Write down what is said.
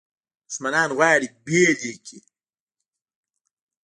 دښمنان غواړي بیل یې کړي.